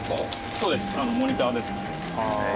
そうですモニターですね。